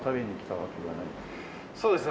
そうですね